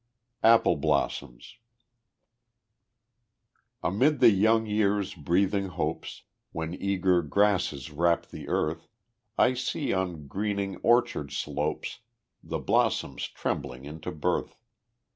Apple Blossoms Amid the young year's breathing hopes, When eager grasses wrap the earth, I see on greening orchard slopes The blossoms trembling into birth.